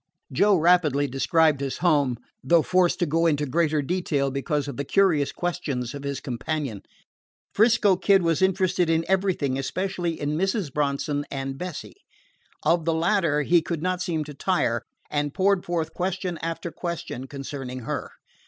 Joe rapidly described his home, though forced to go into greater detail because of the curious questions of his companion. 'Frisco Kid was interested in everything, especially in Mrs. Bronson and Bessie. Of the latter he could not seem to tire, and poured forth question after question concerning her.